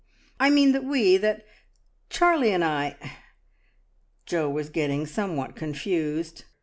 I mean that we — that Charlie and I " Jo was getting somewhat confused.